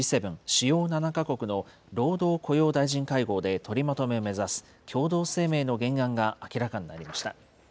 ・主要７か国の労働雇用大臣会合で取りまとめを目指す、共同声明の原案が明らかになりました。